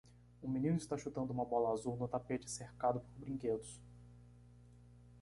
Um menino está chutando uma bola azul no tapete cercado por brinquedos.